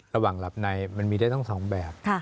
ระหว่างหลับในมันมีได้ตั้งสองแบบ